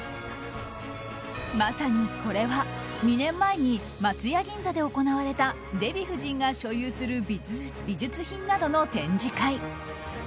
まさに、これは２年前に松屋銀座で行われたデヴィ夫人が所有する美術品などの展示会。